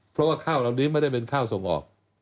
เพราะว่าข้าวเหล่านี้ไม่ได้เป็นข้าวส่งออก